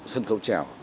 sân khấu trèo